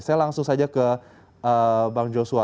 saya langsung saja ke bang joshua